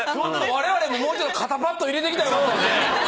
我々ももうちょっと肩パット入れてきたらよかったですね。